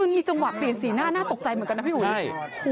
มันมีจังหวะเปลี่ยนสีหน้าน่าตกใจเหมือนกันนะพี่อุ๋ย